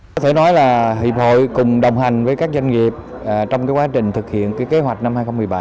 có thể nói là hiệp hội cùng đồng hành với các doanh nghiệp trong quá trình thực hiện kế hoạch năm hai nghìn một mươi bảy